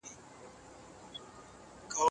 عضلات نه جوړېږي.